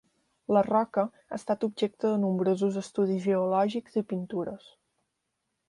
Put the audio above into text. La roca ha estat objecte de nombrosos estudis geològics i pintures.